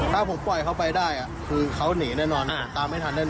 ถ้าผมปล่อยเขาไปได้อ่ะคือเขานี่แน่นอนตามไม่ทันแน่นอน